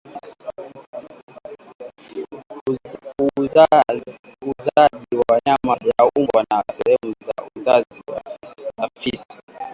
Uuzaji wa nyama ya mbwa na sehemu za uzazi za fisi